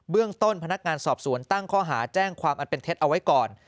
เรื่องต้นพนักงานสอบสวนตั้งข้อหาแจ้งความอันเป็นเท็จเอาไว้ก่อน